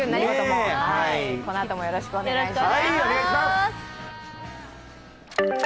このあともよろしくお願いします。